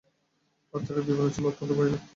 পত্রের বিবরণ ছিল অত্যন্ত ভয়ানক।